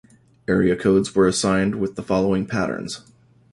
Area codes were assigned with the following patterns.